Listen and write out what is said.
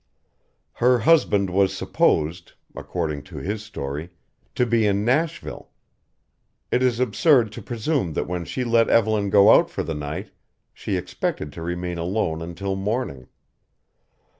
Her husband was supposed according to his story to be in Nashville. It is absurd to presume that when she let Evelyn go out for the night she expected to remain alone until morning.